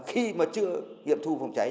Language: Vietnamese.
khi mà chưa nghiệm thu phòng cháy